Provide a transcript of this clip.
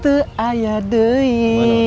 itu ayah dewi